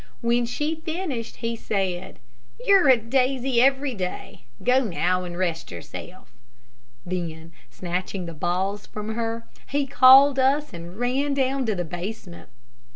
When she finished he said, "You're a daisy every day. Go now and rest yourself." Then snatching the balls from her, he called us and ran down to the basement.